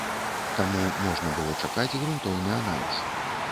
Таму можна было чакаць грунтоўны аналіз.